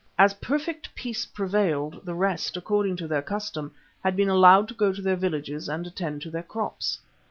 As perfect peace prevailed, the rest, according to their custom, had been allowed to go to their villages and attend to their crops.